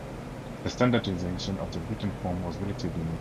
The standardization of the written form was relatively new.